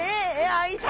あいた。